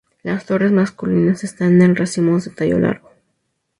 Las flores masculinas están en racimos de tallo largo.